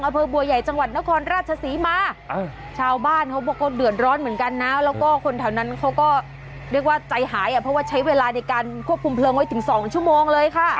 เพราะว่าใช้เวลาควบคุมเพลิงนักได้เองที่ถึงสองชั่วโมงเลยค่ะ